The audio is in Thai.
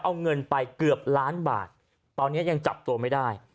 เอาเงินไปเกือบล้านบาทตอนนี้ยังจับตัวไม่ได้